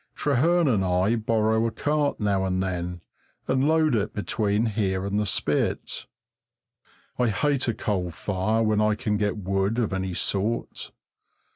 Trehearn and I borrow a cart now and then, and load it between here and the Spit. I hate a coal fire when I can get wood of any sort.